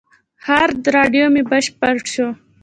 هارد ډرایو مې بشپړ شو.